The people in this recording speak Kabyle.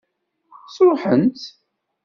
Sṛuḥen-tt.